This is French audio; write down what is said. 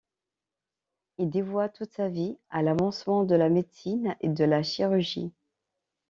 Il dévoua toute sa vie à l'avancement de la médecine et de la chirurgie.